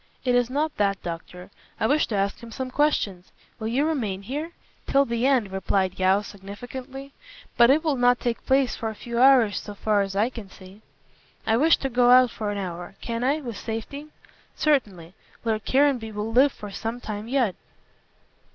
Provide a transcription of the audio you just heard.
"It is not that, doctor. I wish to ask him some questions. Will you remain here?" "Till the end," replied Yeo, significantly; "but it will not take place for a few hours, so far as I can see." "I wish to go out for an hour. Can I, with safety?" "Certainly. Lord Caranby will live for some time yet."